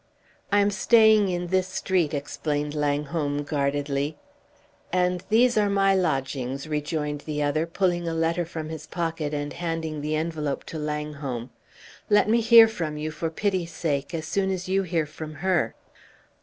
"I am staying in this street," explained Langholm, guardedly. "And these are my lodgings," rejoined the other, pulling a letter from his pocket, and handing the envelope to Langholm. "Let me hear from you, for pity's sake, as soon as you hear from her!"